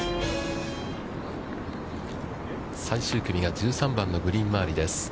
最終組が１３番のグリーン周りです。